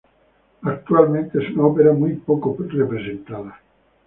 Actualmente, es una ópera muy poco representada.